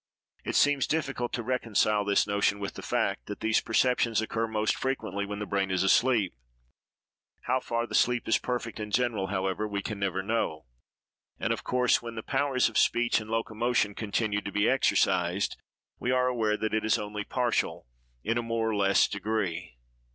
It seems difficult to reconcile this notion with the fact, that these perceptions occur most frequently when the brain is asleep. How far the sleep is perfect and general, however, we can never know; and of course, when the powers of speech and locomotion continue to be exercised, we are aware that it is only partial, in a more or less degree.